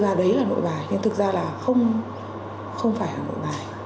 đưa ra đấy là nội bài nhưng thực ra là không phải là nội bài